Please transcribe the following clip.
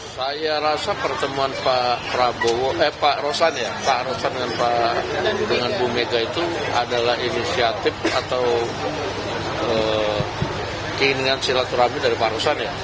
saya rasa pertemuan pak prabowo eh pak rosan ya pak rosan dengan bu mega itu adalah inisiatif atau keinginan silaturahmi dari pak rosan ya